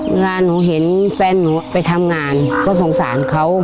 เวลาหนูเห็นแฟนหนูไปทำงานก็สงสารเขา